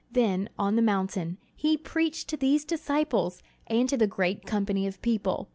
Then, on the mountain, he preached to these disciples and to the great company of people.